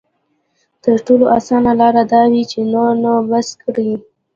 تر ټولو اسانه لاره دا وي چې نور نو بس کړي.